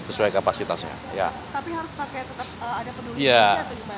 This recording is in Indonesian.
tapi harus pakai tetap ada peduli ini atau gimana